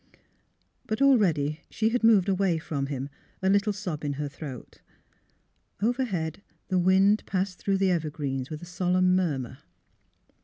But already she had moved away from him, a little sob in her throat. Overhead the wind passed through the evergreens with a solemn murmur.